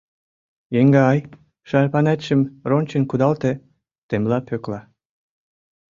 — Еҥгай, шарпанетшым рончен кудалте, — темла Пӧкла.